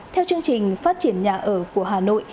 theo chương trình phát triển nhà ở của hà nội